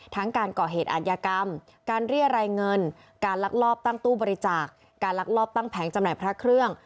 การก่อเหตุอาทยากรรมการเรียรายเงินการลักลอบตั้งตู้บริจาคการลักลอบตั้งแผงจำหน่ายพระเครื่อง